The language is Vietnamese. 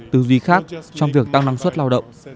từ gì khác trong việc tăng năng suất lao động